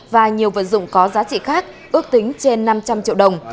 và nhiều vật dụng có giá trị khác ước tính trên năm trăm linh triệu đồng